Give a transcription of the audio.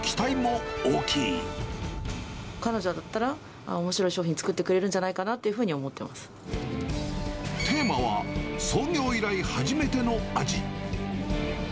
彼女だったら、おもしろい商品作ってくれるんじゃないかなっていうふうに思ってテーマは、創業以来はじめての味。